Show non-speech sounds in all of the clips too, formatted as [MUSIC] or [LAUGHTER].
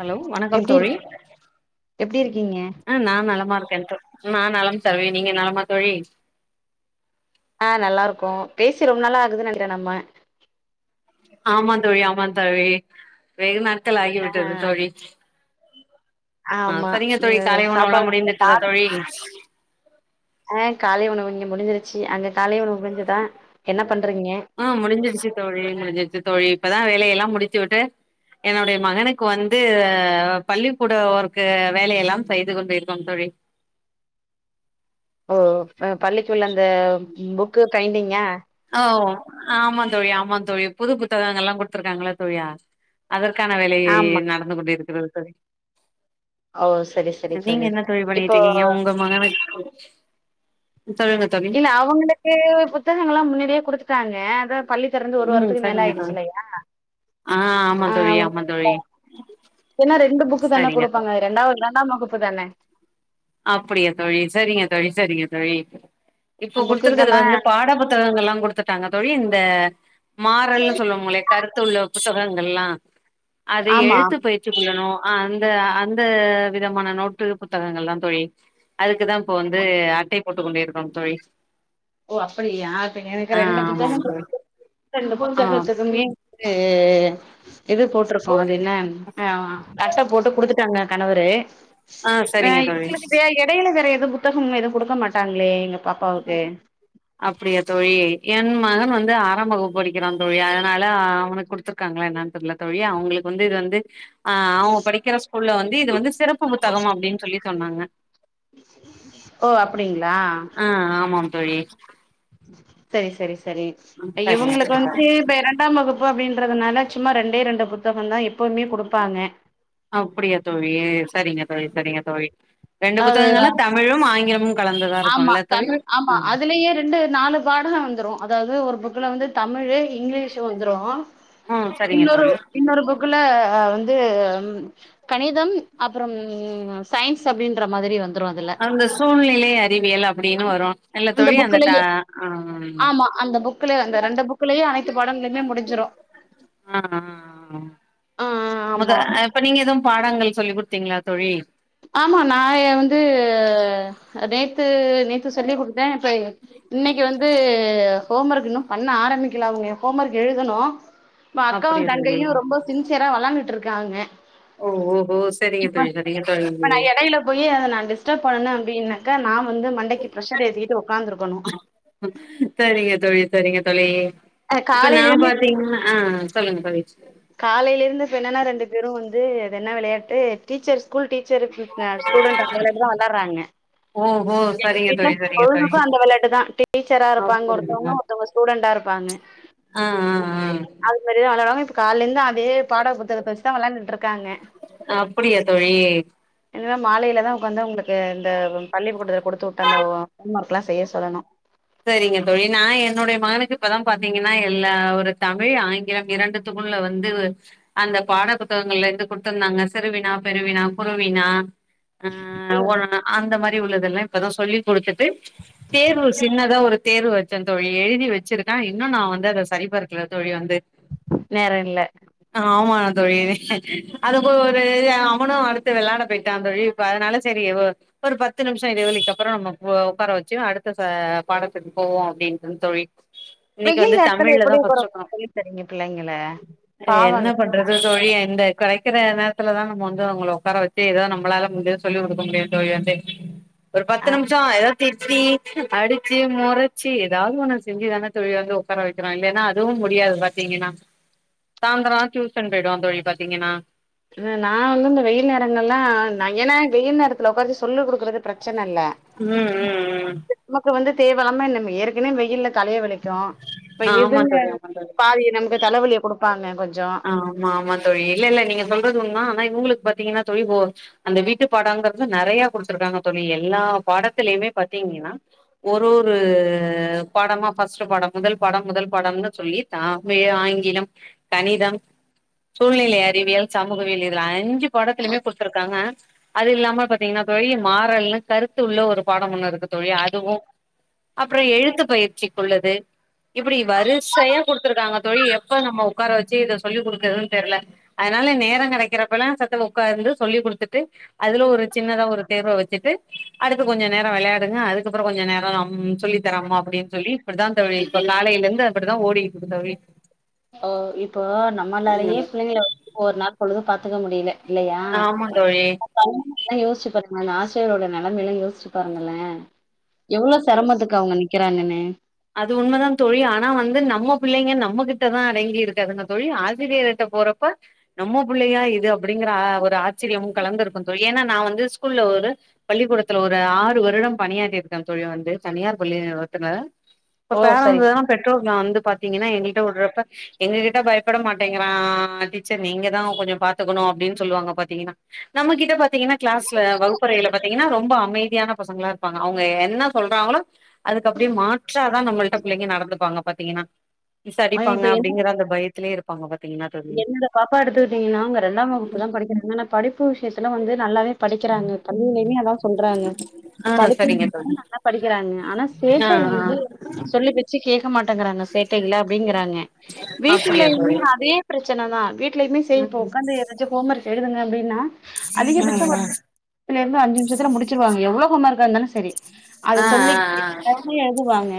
Hello வணக்கம் எப்டி தோழி இருக் எப்டி இருக்கீங்க ஆ நா நலமா இருக்கே நா நலம் தோழி நீங்க நலமா தோழி ஆ நல்லாருக்கோ பேசி ரொம்ப நாளாகுது நெனைக்கிறோ நம்ம ஆமா தோழி ஆமா தோழி வேகு நாட்கள் ஆகி ஆ விட்டது தோழி ஆ ஆமா சரிங்க தோழி அ காலை சாப்பாடு உணவெல்லா முடிந்துவிட்டதா கால தோழி ஆ காலை உணவு இங்க முடிஞ்சிருச்சு அங்க காலை உணவு முடிஞ்சுதா என்ன பண்றீங்க ஆ முடிஞ்சிருச்சு தோழி முடிஞ்சிருச்சி தோழி இப்பதா வேலையெல்லா முடித்து விட்டு என்னுடைய மகனுக்கு வந்து பள்ளிக்கூட வொர்க்கு வேலையெல்லா செய்து கொண்டுருக்கோ தோழி ஓ பள்ளிக்கி உள்ள அந்த புக்கு கைண்டிங்கா ஓ ஆமா தோழி ஆமா தோழி புது புத்தகங்கள்லா குடுத்துருக்காங்கள தோழி அதற்கான வேலையி ஆமா நடந்து கொண்டிருக்குறது தோழி ஓ சரி சரி நீங்க என்ன தோழி இப்போ பண்ணிட்டுருக்கீங்க உங்க உங்களுக்கு சொல்லுங்க தோழி உங்களுக்கு புத்தகங்கள் எல்லாம் மின்னாடியே குடுத்துட்டாங்க அதா பள்ளி தெறந்து ஒரு ம் வாரத்துக்கு மேல சரிங்க தோழி ஆயிடுச்சில்லையா ஆ ஆமா ஆ தோழி ஆமா தோழி [UNINTELLIGIBLE] இன்னு ரெண்டு புக்கு தானே சரிங்க தோழி குடுப்பாங்க ரெண்டாவது த இரண்டாம் வகுப்பு தான அப்பிடியா தோழி சரிங்க தோழி சரிங்க தோழி இப்ப குடுத்துருக்கது புக்குக்கெல்லா வந்து பாட புத் புத்தகங்கள்லா குடுத்துட்டாங்க தோழி இந்த மாறல் சொல்லுவங்களே கருத்துள்ள புத்தகங்கள்லா அதை ஆமா எழுத்து பயிற் சி [UNINTELLIGIBLE] அந்த அந்த விதமான நோட்டு புத்தகங்கள்லா தோழி அதுக்குதா இப்போ வந்து அட்டை போட்டு கொண்டிருக்கோம் தோழி ஓ அப்பிடியா இப்ப எனக்கு ஆ ரெண்டு ஆமாம் புத்தகங்கள் தோழி ரெண்டு [INAUDIBLE] ஆ [UNINTELLIGIBLE] அ எது போட்டுருக்கோ அது என்ன அ அட்ட போட்டு குடுத்து ட்டாங்க கணவரு ஆ அ சரிங்க தோழி இவங்களுக்கு [UNINTELLIGIBLE] எடையில வேற எதுவு புத்தகம் எதவும் கொடுக்க மாட்டாங்ளே எங்க பாப்பாவுக்கு அப்பிடியா தோழி என் மகன் வந்து ஆறாம் வகுப்பு படிக்கிறா தோழி அதனால அவனு குடுத் துருக்காங்கலா என்னன்னு தெரியில தோழி அவுங்களுக்கு வந்து இது வந்து ஆ அவங்க படிக்கிற ஸ்கூல்ல வந்து இது வந்து சிறப்பு புத்தகம் அப்பிடின்னு சொல்லி சொன்னாங்க ஓ அப்டிங்களா ஆ ஆமாம் தோழி செரி செரி செரி ம் சரிங்க இவங்களுக்கு தோழி வந்து இப்ப இரண்டாம் வகுப்பு பு அப்டின்றதுனால சும்மா ரெண்டே ரெண்டு புத்தகம் தா எப்பவுமே குடுப்பாங்க அப்பிடியா தோழி சரிங்க தோழி சரிங்க தோழி ரெண்டு அது புத்தகங்கள்னா தமிழும் ஆங்கிலமும் கலந்துதா ஆமா இருக்குல்ல தோழி தமிழ் ஆமா ஆ அதுலயே ரெண்டு நாலு பாடலு வந்துரு அதாவது ஒரு புக்கல வந்து தமிலு இங்கிலீஷ் வந்துரு ம் சரிங்க இன்னொரு தோழி இன்னொரு புக்குல வந்து கணிதம் அப்பறம் சயின்ஸ் அப்டின்ற மாதிரி வந்துரு அதுல அந்த சூழ்நிலை அறிவியல் அப்டின்னு வரு இல்ல தோழி அந்த த ஆ ஆமா அந்த புக்ல அந்த ரெண்டு புக்லயே அனைத்து பாடங்களுமே முடிஞ்சிரு ஆ அ அ ஆ மொத ஆமா இப்ப நீங்க எதும் பாடங்கள் சொல்லி குடுத்தீங்களா தோழி ஆமா நா எ வந்து நேத்து நேத்து சொல்லி குடுத்தே இப்ப இன்னைக்கி வந்து ஹோம் ஒர்க் இன்னு பண்ண ஆரம்பிக்கல அவுங்க ஹோம் ஒர்க் எழுதணு இப்ப அக்காவு அப்படியா தோழி தங்கையு ரொம்ப சின்சியரா வெளாண்டுட்டு ருக்காங்க ஓ ஓ ஹோ செரிங்க தோழி செரிங்க தோழி இப்ப நா எடைல போய் அத நா டிஸ்டர்ப் பண்ணே அப்டின்னக்கா நா வந்து மண்டைக்கு பிரஷர் ஏத்திட்டு உக்காந்துருக்கணு செரிங்க தோழி செரிங்க தோழி அ இப்ப நா காலையில இருந்து பாத்தீங்கனா சொல்லுங்க தோழி காலேல இருந்து இப்ப என்னன்னா ரெண்டு பேரு வந்து எது என்ன வெளையாட்டு teacher school teacher dear student அவுங்கள [UNINTELLIGIBLE] தா வெளார்றாங்க ஓஹோ எங்க சரிங்க வீட்ல தோழி சரிங்க தோழி பொழுதுக்கு அந்த வெளையாட்டுதா டீச்சரா இருப்பாங்க அப்படியா ஒருத்தவுங்க ஒருத்தவுங்க ஸ்டூடெண்டா இருப்பாங்க ஆஹ் ஆஹ் ஆஹ் அது மாரி தா வெளாடுவாங்க இப்ப கால்ல இருந்து அதே பாடப்புத்தகத்த வச் இதா வெளாண்டுட்டு இருக்காங்க ஆ அப்படியா தோழி என்னதா மாலேல தா உக்காந்து அவுங்களுக்கு இந்த பள்ளி கூடத்துல குடுத்து விட்ட அந்த ஹோம் ஒர்க் எல்லா செய்ய சொல்லணு செரிங்க தோழி நா என்னுடைய மகனுக்கு இப்பதா பாத்தீங்கன்னா எல்லா ஒரு தமிழ் ஆங்கிலம் இரண்டு த்துக்குள்ள வந்து அந்த பாட புத்தகங்கள்ல இருந்து குடுத்திருந்தாங்க சிறுவினா பெருவினா குருவினா ஆ ஓரனா அந்த மாரி உள்ளதெல்லா இப்பதா சொல்லி குடுத்துட்டு தேர்வு சின்னதா ஒரு தேர்வு வச்சே தோழி எழுதி வச்சிருக்கா இன்னு நா வந்து அத சரிபாக்கல தோழி வந்து நேரோ இல்ல ஆமாங்க தோழி அது போ ஒரு அவனு அடுத்து வெளாட போயிட்டா தோழி அதனால செரி ஒரு பத்து நிமிஷம் இடைவேளைக்கு அப்பறோ நம்ம ஒக்கார வச்சு அடுத் து இப்ப பாடத்துக்கு போவோ அப்டின்டுது தோழி இன்னைக்கி வெயில் வந்து நேரத்துல தமிழ்ல தா எப்டி ஃபஸ்ட்டு எடுக்கணு தோழி தரீங்க பிள்ளைங்கள என்ன பாவல்ல பண் றது தோழி இந்த கெடைக்கிற நேரத்துல தான நம்ம வந்து அவுங்களை உட்கார வச்சு எதோ நம்மளால முடிஞ்சத சொல்லி குடுக்க முடியு தோழி வந்து ஒரு அ பத்து நிமிஷோ எதாவது திட்டி அடிச்சு மொறச்சு எதாவது ஒன செஞ்சுதான தோழி வந்து ஒக்கார வக்கிறோ இல்லனா அதுவு முடியாது பா த்தீங்கனா சாந்திரோ டியூசன் போயிடுவா தோழி பாத்தீங்கன்னா நா வந்து இந்த வெயில் நேரங்கள நயன வெயில் நேரத்துல ஒக்காரவச்சு சொல்லு குடுக்கறது பிரெச்சன இல்ல ம் ம் ம் நமக்கு வந்து தேவஇல்லாம நம்ம ஏற்கனவே வெயில்ல கலைய வெளை ச்சோ இப்ப ஆமா இதுங்க தோழி ஆமா தோழி பாதிய நமக்கு தலைவலிய குடுப்பாங்க கொஞ்சோ ஆமா ஆமா தோழி இல்ல இல்ல நீங்க சொல்றது உண்ம ஆனா இவுங்களுக்கு பாத்தீங்கன்னா தோழி போ அந்த வீட்டு பாடங்குறது நெறைய குடுத்துருக்காங்க தோழி எல்லா பாடத்திலயுமே பாத்தீங்கனா ஒரு ஒரு பாடமா ஃபஸ்ட்டு பாடம் முதல் பாடம் முதல் பாடம்னு சொல்லி தாமே ஆங்கிலம் கணிதம் சூழ்நிலை அறிவியல் சமூகவியல் இதுல அஞ்சு பாடத்துலயுமே குடுத்துருக்காங்க அது இல்லாம பாத்தீங்கன்னா தோழி மாறல்னு கருத்து உள்ள ஒரு பாடம் ஒண்ணு இருக்கு தோழி அதுவு அப்பறோ எழுத்து பயிற்சிக்குள்ளது இப்டி வருசையா குடுத்துருக்காங்க தோழி எப்ப நம்ம உக்கார வச்சு இத சொல்லி குடுக்கறதுன் தெர்ல அதுனால நேரோ கெடைக்கிறப்பல்லா சத்துனு உக்காந்து சொல்லி குடுத்துட்டு அதுல ஒரு சின்னதா ஒரு தேர்வ வச்சுட்டு அடுத்து கொஞ்ச நேரோ விளையாடுங்க அதுக்கப்பறோ கொஞ்ச நேரோ அம் சொல்லி தரமா அப்புடின் சொல்லி இப்புடிதா தோழி இப்ப காலேல இருந்து அப்புடிதா ஓடிட்ருக்கு தோழி ஓ இப்போ நம்மளாலயே பிள்ளைங்கள ஒரு நாள் பொழுது பாத்துக்க முடில இல்லையா ஆமா தோழி பள்ளீலேலா யோஸ்ச்சு பாத்தமா அந்த ஆசிரியரோட நெலமேல்லா யோசுச்சு பாருங்கலே எவ்வளோ செரமத்துக்கு அவங்க நிக்கிறாங்கனு அது உண்மதாம் தோழி ஆனா வந்து நம்ம பிள்ளைங்க நம்மகிட்டதா அடங்கி இருக்காதுங்க தோழி ஆசிரியர்கிட்ட போறப்ப நம்ம புள்ளையா இது அப்படிங்கிற ஆ ஒரு ஆச்சரியமு கலந்துருகும் தோழி ஏனா நா வந்து ஸ்கூல்ல ஒரு பள்ளிக்கூடத்துல ஒரு ஆறு வருடம் பணியாற்றிருக்கே தோழி வந்து தனியார் பள்ளி நிறுவனத்துல இப்ப ஓ சரி பேரன்ட்ஸ் சரி. வேனா பெற்றோர்லா வந்து பாத்தீங்கன்னா எங்கள்கிட்ட விட்றப்ப எங்க கிட்ட பயப்பட மாட்டேங்கிறா டீச்சர் நீங்கதா கொஞ்சோ பாத்துக்கணு அப்டின் சொல்லுவாங்க பாத்தீங்கன்னா நம்மகிட்ட பாத்தீங்கன்னா கிளாஸ்ல வகுப்பறைல பாத்தீங்கன்னா ரொம்ப அமைதியான பசங்களா இருப்பாங்க அவுங்க என்ன சொல்றாங்களோ அதுக்கு அப்டியே மா ற்றாதா நம்மள்ட்ட பிள்ளைங்க நடந்துப்பாங்க பாத்தீங்கன்னா மிஸ் ஆ அடிப்பாங்க இப்ப என்ன அப்டிங்கிற அந்த பயத்திலே இரு பாங்க பாத்தீங்கன்னா தோ என்னோட பாப்பா எடுத்துக்கிட்டீங்கனா அவுங்க ரெண்டாம் வகுப்பு தா படிக்கிறாங்க ஆனா படிப்பு விஷயத்துல வந்து நல்லாவே படிக்கிறாங்க பள்ளிலயுமே அதா சொல்றாங்க ஆ படிக்கும் சரிங்க தோழி நல்லா படிக்கிறாங்க ஆனா ஆ சேட்டை வந்து சொல்லுபேச்சு கேக்க மாட்டேங்கறாங்க சேட்டையில அப்டிங்கிறாங்க ஆ அப்டியா வீட்லயுமே தோழி அதே பிரச்சன தா வீட்லயுமே செய் இப்போ ம் உக்காந்து ஏதாச்சு ஹோம் ஒர்க் எழுதுங்க அப்டினா அதிகபட்சோ ம் ஒரு இருந்து அஞ்சு நிமிஷத்துல முடிச்சுருவாங்க எவ்வளோ ஹோம் ஒர்க் இருந்தாலு சரி அத ஆ ஆ சொல்லிக்கிட்டே விடாம எழுதுவாங்க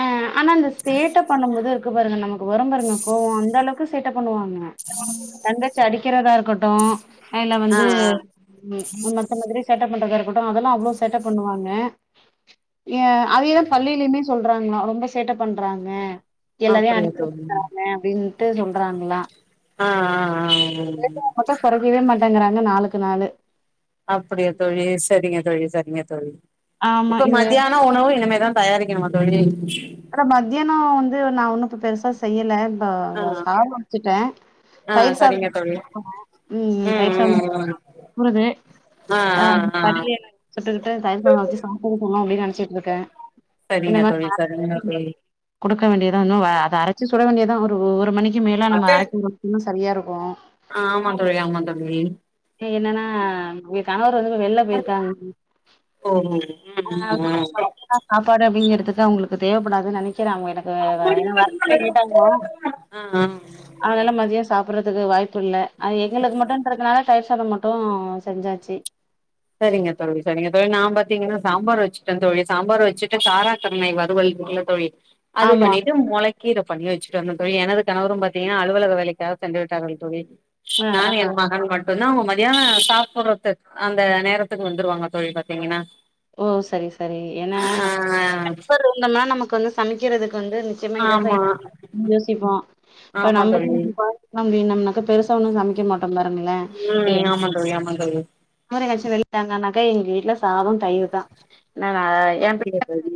ஆ ஆனா அந்த சேட்ட பண்ணும்போது இருக்கு பாருங்க நமக்கு வரும் பாருங்க கோவோ அந்த அளவுக்கு சேட்ட பண்ணுவாங்க தங்கச்சி அடிக்கிறதா இருக்கட்டு அதுல ஆ ஆ வந்து ஆ ம் மத்த மாதிரி சேட்டப் பண்ணறதா இருக்கட்டு அதல்லா அவ்வளோ சேட்ட பண்ணுவாங்க ஏ அதேதா பள்ளிலயுமே சொல்றாங்களா ரொம்ப சேட்ட பண்றாங்க எல்லாரையு அப்டியா அடிக்க தோழி வக்கிறாங்க அப்டின்ட்டு சொல்றாங்களா ஆ ஆ ஆ இல்லாட்டி ம் மட்டு கொறைக்கவே மாட்டாங்கறாங்க நாளுக்கு நாாலு அப்படியா தோழி சரிங்க தோழி சரிங்க தோழி ஆமா இப்ப இது மதியான உணவு இனிமேதா தயாரிக்கனுமா தோழி அட மதியானோ வந்து நா ஒன்னு இப்ப பெருசா செய்யல இப்ப ஆ சாதொ வச்சுட்டே ஆ தயிர் சரிங்க சாதம் தோழி ம் தயிர் ம் சாதம் ம் ஊறுது ஆ படிய தொட்டுக்கிட்டு தயிர் சாதொ வச்சு சாப்ட சொல்லா அப்டின் நெனச்சுட்டு இருக்கே இந்த சரிங்க தோழி மாரி சரிங்க தோழி குடுக்க வேண்டியதா உன்னு வ அத அரச்சு சுட வேண்டியதா ஒரு ஒரு மணிக்கு மேலே நம்ம அரைக்கு பொறிக்குன் சரியா இருக்கு ஆமா தோழி ஆமா தோழி எ என்னன்னா எ கணவர் வந்து வெளில போயிருக்காங்க ஓ ம் ம் ம் ம் சாப்பாடு அப்டிங்கறதுக்கு அவுங்களுக்கு தேவைப்படாதுன் நெனைக் கிறே அவுங்க எனக்கு ஏனா வர்ரதுக்கே லேட் ஆகுமா ஆ ஆ அதுல மதியோ சாப்பற்றது அதுக்கு வாய்ப்பு இல்ல எங்களுக்கு மட்டுன்றதுனால தயிர் சாதம் மட்டு செஞ்சாச்சி செரிங்க தோழி செரிங்க தோழி நா பாத்தீங்கன்னா சாம்பார் வச்சுட்டேன் தோழி சாம்பார் வச்சுட்டு காரா கருணை வறுவல் இருக்குல்ல தோழி அது ஆமா பண்ணிட்டு மொளைக் கீர பண்ணி வச்சுட்டு வந்தே தோழி எனது கணவரும் பாத்தீங்கன்னா அலுவலக வேலைக்காக சென்று விட்டார்கள் தோழி ஆ ஆ நானு எங்க மகனு மட்டுந்தா அவுங்க மதியான சாப்புட்றது அந் அந்த நேரத்துக்கு வந்துருவாங்க தோழி பாத்தீங்கன்னா ஓ சரி சரி ஏன்னா [INAUDIBLE] இருந்தம்னா நமக்கு வந்து சமைக்கிறதுக்கு வந்து நிச்சயமா ஆ இதப்பை ஆமா யோசிப்போ இப்ப ஆமா நம்மள தோழி பாத் தோ அப்டின்னம்னாக்கா பெருசா ஒண்ணும் சமைக்க மாட்டோம் பாருங்களேன் ம் ஏன்ட் ஆமா தோழி ஆமா தோழி அவரு எங்காச்சும் வெளில தங்கனாக்கா எங்க வீட்ல சாதொ தயிரு தா [UNINTELLIGIBLE] அப்படியா தோழி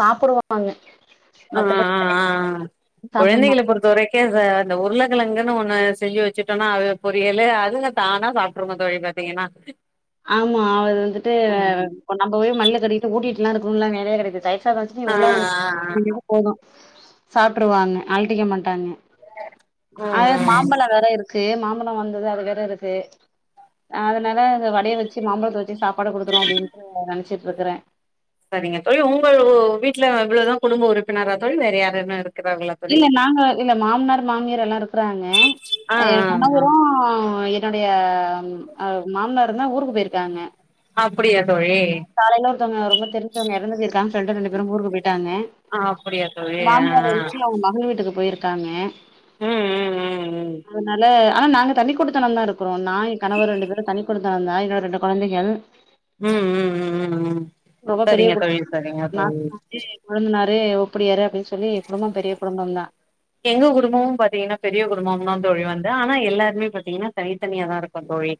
சாப்புடுவோ நாங்க ஆ ஆ ஆ ஆ சாப்ட கொழந்தைகள மாட்டா பொறுத்த வரைக் இன்கேஸ் அந்த உருளைக்கிழங்குனு ஒண்ணு செஞ்சு வச்சுட்டோனா அது பொரியல் அதுங்க தானா சாப்ட்டுறங்க தோழி ப பாத்திங்கன்னா ஆமா அவரு வந்துட்டு இப்ப நம்ம போய் மல்லு கட்டுக்கிட்டு வூட்டிட்டு எல்லா இருக்குணுலா வேலையே கெடையாது தயிர் முக்காவாசி ஆ ஆ உருளைக்கிழங்கு [UNINTELLIGIBLE] போது சாப்ட்ருவாங்க அழ்ட்டிக்க மாட்டாங்க அ ம் ம் மாம்பழ வேற இருக்கு மாம்பழம் வந்தது அது வேற இருக்கு அதனால அப்டே வச்சு மாம்பழத்த வச்சு சாப்பாடு கொடுத்திருவோ அப்டின்ட்டு நெனச்சிட்டு இருக்கறேன் சரிங்க தோழி உங்க வீட்ல இவ்ளோதா குடும்ப உறுப்பினரா தோழி வேற யாருனும் இருக்கிறார்களா தோழி இல்ல நாங்க இல்ல மாமனார் மாமியார் எல்லா இருக்குறாங்க ஆ எ ஆ ஆ கணவரூ என்னுடைய மாம்னாருந்தான் ஊருக்கு போயிருக்காங்க அப்டியா தோழி காலைல ஒருத்தவுங்க ரொம்ப தெரிஞ்சவுங்க எறந்து போயிருக்காங்க டு ரெண்டு பேரு ஊருக்கு போயிட்டாங்க ஆ அப்படியா தோழி ஆ மாமியார் வந்து அவுங்க மகள் வீட்டுக்கு போயிருக்காங்க ஆ ம் அதனால ஆனா நாங்க தனி குடித்தனந்தா இருக் அப்புறோ நா என் கணவர் ரெண்டு பேரும் தனி குடுத்தனந் தா என்னோட ரெண்டு கொழந்தைகள் ம் ம் ம் ம் ம் ரொம்ப பெரிய சரிங்க குடும்பம் தோழி சரிங்க தோழி நாத்தனாரு கொழுந்தனாரு ஒப்படியாரு அப்டின் சொல்லி குடும்பம் பெரிய குடும்பம் தான் எங்க குடும்பமும் பாத்தீங்கன்னா பெரிய குடும்பம் தா தோழி வந்து ஆனா எல்லாருமே பாத்தீங்கன்னா தனித்தனியா தா இருக் க்கோ தோழி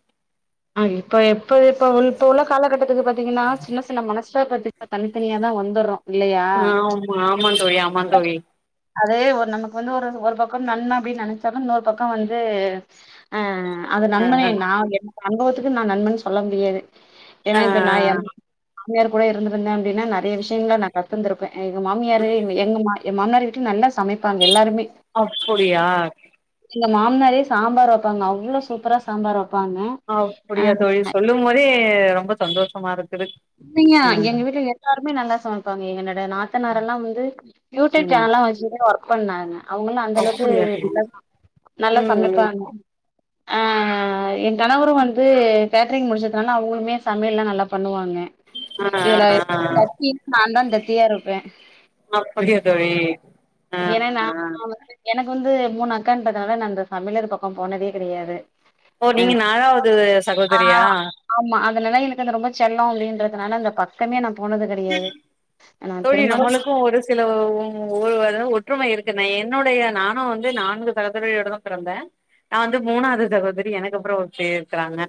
ஆ இப்ப எப்ப இப்ப இப்ப உள்ள காலகட்டத்துக்கு பாத்தீங்கன்னா சின்ன சின்ன மனஸ்தாபத்துக்கு தனித்தனியா தா வந்துட்றோ ஆமா ஆமாந்தோழி ஆமாந்தோழி அதே ஒரு நமக்கு வந்து ஒரு ஒரு பக்கம் நன்மை அப்டின்னு நெனச்சாலு இன்னொரு பக்கம் வந்து அ அ அ அது ஆ நண்பனே நா எனக்கு அனுபவத்துக்கு நா நண்பன் சொல்ல முடியாது ஆ ஏன்னா ஆ இப்ப நா என் ம மாமியார் கூடயே இருந்திருந்தேன் அப்டின்னா நறைய விஷயங்கள நா கத்திந்திருப்பே எங்க மாமியாரு இப்ப எங்க மா என் மாமனார் வீட்ல நல்லா சமைப்பாங்க எல்லாருமே அப்புடியா எங்க மாம்னாரே சாம்பார் வைப்பாங்க அவ்ளோ சூப்பரா சாம்பார் வப்பாங்க ஆ அப்புடியா தோழி சொல்லும் போதே ரொம்ப சந்தோஷமாருக்குது நீங்க எங்க வீட்டுல எல்லாருமே நல்லா சமைப்பாங்க எங்கனோட நாத்தனார் எல்லாம் வந்து யூட்யூப் ம் சேனல்லா வச்சு தா ஒர்க் பண்ணாங்க அவங்கெல்லா அந்த அளவுக்கு அப்படியா தோழி நல்லா சமை நல்லா ம் ம் சமைப்பாங்க ஆ ஹ ஆ எ கணவரு வந்து கேட்ரிங் முடிச்துனால அவ்ங்களுமே சமையெல்லா நல்லா பண்ணுவாங்க ஆ இதுல ஆ ஆ தத்தி நாந்தா தத்தியா இருப்பே அப்டியா தோழி ஆ இதே நா நா ஆ வந்து எனக்கு வந்து மூணு அக்கான்றதுனால நா அந்த சமையலற பக்க போனதே கெடையாது ஓ நீங்க நாலாவ்து ஆ. சகோதரியா ஆமா அதனால எனக்கு அந்த ரொம்ப செல்லோ அப்டின்றதுனால அந்த பக் கமே நா போனது கெடையாது நா தோழி திருமணமா நம்மளுக்கு ஒரு சில ஒ ஒரு ஒருவரிட ஒற்றுமை இருக்கு நா என்னுடைய நானு வந்து நான்கு சகோதிரியோட தா பிறந்தே நா வந்து மூணாவ்து சகோதரி எனக்கு அப்றோ ஒருத்தி இருக்குறாங்க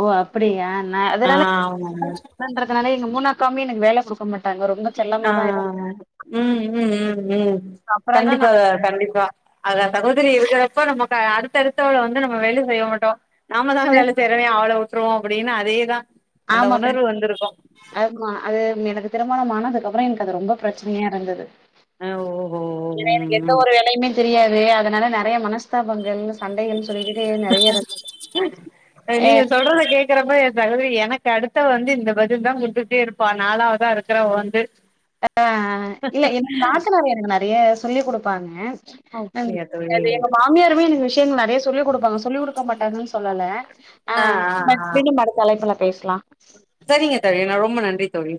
ஓ அப்டியா நா அதனால ஆமாங்க பண்றதுனால எங்க மூணாக்காவுமே எனக்கு வேல குடுக்க மாட்டாங்க ரொம்ப செல்லமா ஆ தான் ஆ இருப்பா. ஆ ம் ம் ம் ம் அப்புறம் தான் நான் கண்டிப்பாக கண்டிப்பா அதா சகோதரி இருக்குறப்ப நமக்கு அ அடுத்த அடுத்தவள வந்து நம்ம வேலை செய்ய மாட்டோ நாம தான வந்து வேல செய்றமே அவள விட்ருவோ அப்டினு அதேதா அந்த ஆமா கண் உணர்வு வந்திருக்கு ஆமா அது எனக்கு திருமணம் ஆனதுக்குக்கப்ற எனக்கு அது ரொம்ப பிரச்சனயா இருந்தது ஆ ஓஹோ ஏனா எனக்கு எந்த ம் ஒரு வேலயுமே தெரியாது அதனால நெறைய மனஸ்தாபங்கள் சண்டைகள்னு சொல்லிகிட்டு நெறைய இருந் [INAUDIBLE] ஆ க்கிறப்ப எ சகோதரி எனக்கு அடுத்தவ வந்து இந்த பதில் தா குடுத்துக்கிட்டே இருப்பா நாலாவதா இருக்கிறவ வந்து ஆ இல்ல எனக்கு நாத்தனார் எனக்கு நெறைய சொல்லிக் குடுப்பாங்க அப்டியா தோழி உண்மயாருமே எனக்கு விஷ்யங்கள் நெறைய சொல்லிக் குடுப்பாங்க சொல்லிக்குடுக்க மாட்டாங்கனு சொல்லல ஆ தலைப்புல பேசலா செரிங்க தோழி நா ரொம்ப நன்றி தோழி